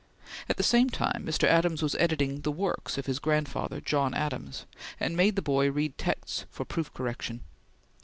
At the same time Mr. Adams was editing the "Works" of his grandfather John Adams, and made the boy read texts for proof correction.